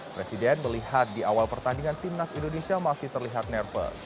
presiden melihat di awal pertandingan timnas indonesia masih terlihat nervous